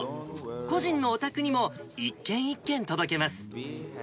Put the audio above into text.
個人のお宅にも一軒一軒届けます。